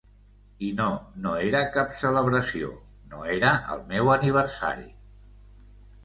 I no, no era cap celebració; no era el meu aniversari...